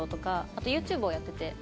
あとＹｏｕＴｕｂｅをやってて。